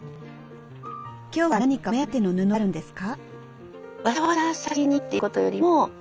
今日は何かお目当ての布があるんですか？